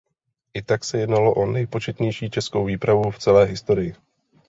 I tak se jednalo o nejpočetnější českou výpravu v celé historii.